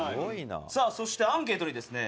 「さあそしてアンケートにですね